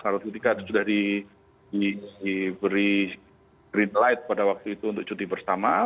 kalau cuti bersama sudah diberi green light pada waktu itu untuk cuti bersama